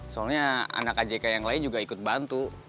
soalnya anak ajk yang lain juga ikut bantu